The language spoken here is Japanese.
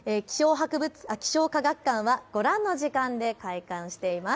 気象科学館はご覧の時間で開館しています。